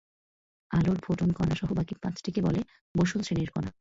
আলোর ফোটন কণাসহ বাকি পাঁচটিকে বলে বোসন শ্রেণির কণা।